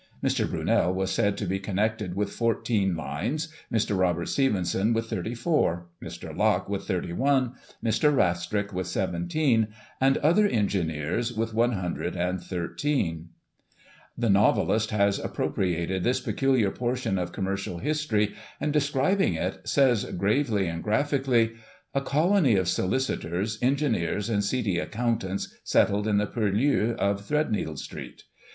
Mr. Brunei was said to be connected with fourteen lines, Mr. Robert Stephenson with thirty four, Mr. Locke with thirty one, Mr. Rastrick with seventeen, and other engineers with one hundred and thirteen. Digiti ized by Google 1 845] THE RAILWAY MANIA. 279 '* The novelist has appropriated this peculiar portion of com mercial history, and, describing it, says gravely and graphic ally :' A colony of solicitors, engineers and seedy accountants, settled in the purlieus of Threadneedle Street.